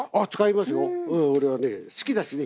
うん俺はね好きだしね。